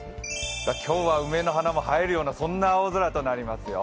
今日は梅の花も映えるようなそんな青空となりますよ。